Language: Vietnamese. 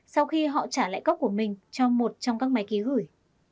sau khi họ trả lại cốc của mình cho một trong các máy ký gửi